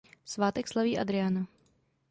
Svátek slaví Adriana.